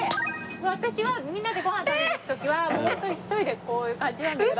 私はみんなでご飯食べに行く時はもうホントに１人でこういう感じなんだけど。